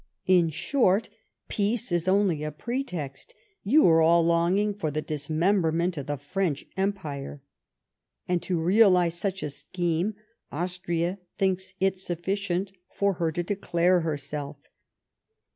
In short, peace is only a pretext ; you are all longing for the dismember ment of the French Empire ! And, to realise such a scheme, Austria thinks it sufficient for her to declare herself!